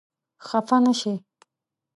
خپه نه شې؟